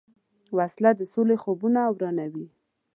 وسله د سولې خوبونه ورانوي